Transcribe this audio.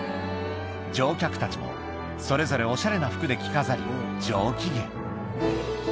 乗客たちもそれぞれおしゃれな服で着飾り上機嫌